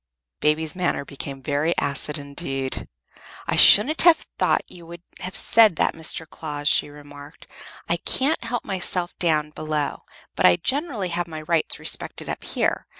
Baby's manner became very acid indeed. "I shouldn't have thought you would have said that, Mr. Claus," she remarked. "I can't help myself down below, but I generally have my rights respected up here.